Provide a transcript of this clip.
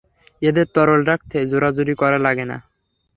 এদের তরল রাখতে জোরাজুরি করা লাগে না।